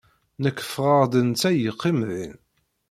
Nekk ffɣeɣ-d, netta yeqqim din.